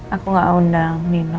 aku gak undang nino